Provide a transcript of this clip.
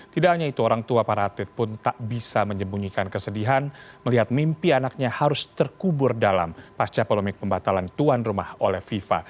tidak hanya itu orang tua para atlet pun tak bisa menyembunyikan kesedihan melihat mimpi anaknya harus terkubur dalam pasca polemik pembatalan tuan rumah oleh fifa